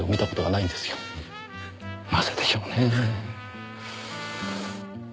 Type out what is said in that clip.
なぜでしょうねぇ？